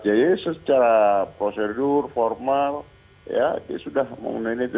jadi secara prosedur formal ya sudah menggunainya